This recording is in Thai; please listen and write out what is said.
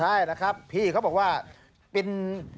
ใช่แหละครับพี่เขาบอกว่าเป็น